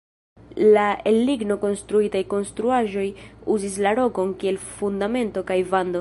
La el ligno konstruitaj konstruaĵoj uzis la rokon kiel fundamento kaj vando.